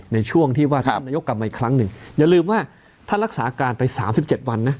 ในช่วงที่ว่าท่านนายกกลับมาอีกครั้งหนึ่งอย่าลืมว่าถ้ารักษาการไป๓๗วันนะ